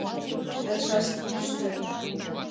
— начальство кӱштен.